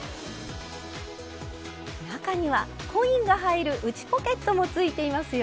中にはコインが入る内ポケットもついていますよ。